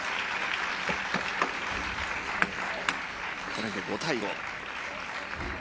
これで５対５。